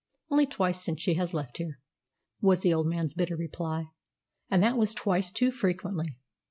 "Only twice since she has left here," was the old man's bitter reply, "and that was twice too frequently.